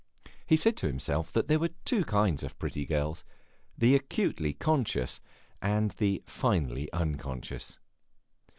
He said to himself that there were two kinds of pretty girls the acutely conscious and the finely unconscious.